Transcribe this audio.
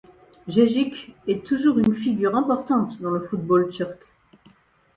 Gegić est toujours une figure importante dans le football turc.